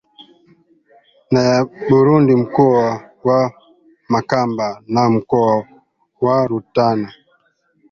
na ya Burundi mkoa wa Makamba na mkoa wa Rutana